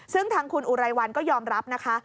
ซึ่งทางคุณอุไรวันก็ยอมรับนะคะ